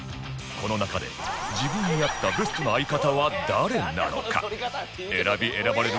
この中で自分に合ったベストな相方は誰なのか？